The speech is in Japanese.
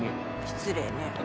失礼ね。